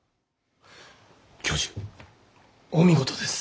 教授お見事です。